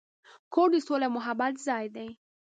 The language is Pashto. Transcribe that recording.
کور د سولې او محبت ځای دی.